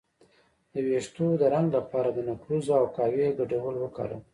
د ویښتو د رنګ لپاره د نکریزو او قهوې ګډول وکاروئ